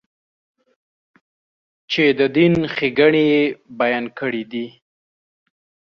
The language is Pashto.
چې د دین ښېګڼې یې بیان کړې دي.